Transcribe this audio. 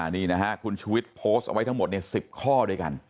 นี่นะฮะคุณชุวิตโพสต์เอาไว้ทั้งหมด๑๐ข้อด้วยกัน